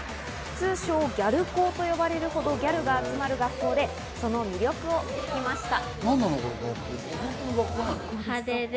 通称・ギャル高と呼ばれるほどギャルが集まる学校で、その魅力を聞きました。